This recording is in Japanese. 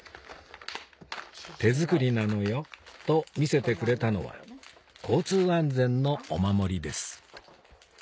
「手作りなのよ」と見せてくれたのは交通安全のお守りです